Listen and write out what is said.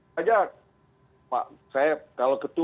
sebenarnya pak saya kalau ketemu